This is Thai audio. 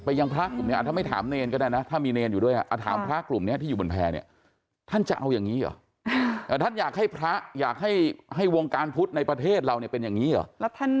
เอาถามจริงผมถามจริงไปยังพระกลุ่ม